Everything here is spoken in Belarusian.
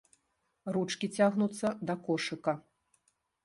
Ручкі цягнуцца да кошыка.